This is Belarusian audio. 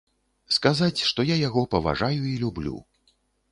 Сказаць, што я яго паважаю і люблю.